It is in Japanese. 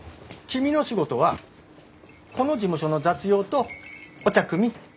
君の仕事はこの事務所の雑用とお茶くみ。